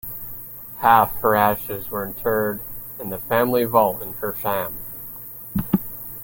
Half her ashes were interred in the family vault in Hersham.